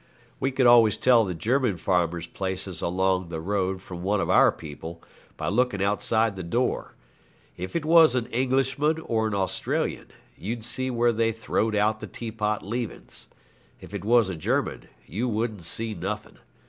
We could always tell the German farmers' places along the road from one of our people by looking outside the door. If it was an Englishman or an Australian, you'd see where they'd throwed out the teapot leavings; if it was a German, you wouldn't see nothing.